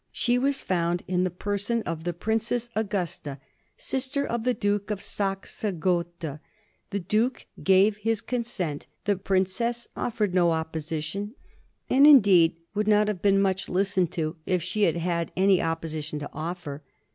She was found in the person of the Princess Augusta, sister of the Duke of Saxe Gotha. The duke gave his consent; the princess offered no opposition, and indeed would not have been 1736. FOLLOWING THE WATS OF HIS ANCESTORS. 47 mach listened to if she had had any opposition to offer.